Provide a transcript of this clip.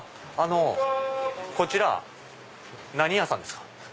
こちら何屋さんですか？